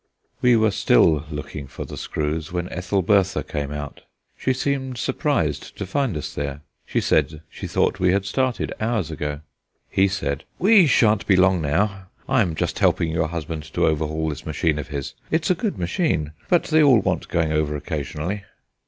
We were still looking for the screws when Ethelbertha came out. She seemed surprised to find us there; she said she thought we had started hours ago. He said: "We shan't be long now. I'm just helping your husband to overhaul this machine of his. It's a good machine; but they all want going over occasionally."